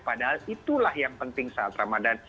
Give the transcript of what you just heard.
padahal itulah yang penting saat ramadan